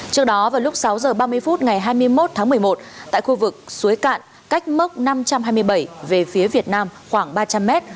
trước đó vào lúc sáu h ba mươi phút ngày hai mươi một tháng một mươi một tại khu vực suối cạn cách mốc năm trăm hai mươi bảy về phía việt nam khoảng ba trăm linh m